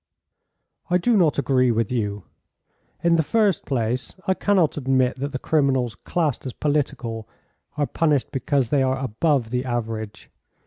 "I do not agree with you. In the first place, I cannot admit that the criminals classed as political are punished because they are above the average.